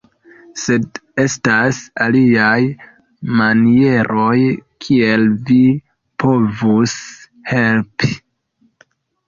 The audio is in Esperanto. Sed estas aliaj manieroj kiel vi povus helpi